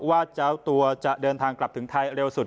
ว่าจะเอาตัวเดินดังกลับถึงไทยเร็วสุด